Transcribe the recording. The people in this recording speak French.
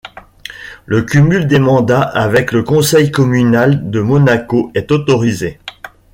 Le cumul des mandats avec le conseil communal de Monaco est autorisé.